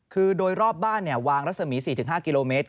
คือโดยรอบบ้านวางรัศมี๔๕กิโลเมตร